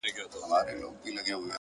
د زغم ځواک د ستونزو فشار کموي.